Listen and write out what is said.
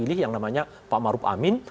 pilih yang namanya pak maruf amin